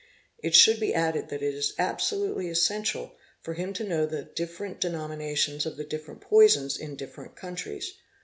It should be added that it is absolutely essential for him to know the different denominations of the different poisons in different countries.